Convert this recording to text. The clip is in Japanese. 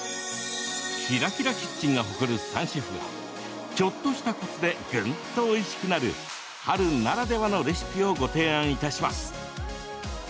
「ＫｉｒａＫｉｒａキッチン」が誇る３シェフがちょっとしたコツでぐんとおいしくなる春ならではのレシピをご提案いたします。